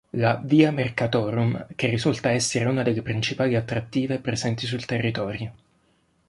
La "via Mercatorum", che risulta essere una delle principali attrattive presenti sul territorio.